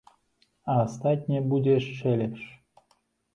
А астатняе будзе яшчэ лепш!